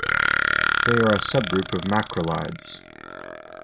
They are a subgroup of macrolides.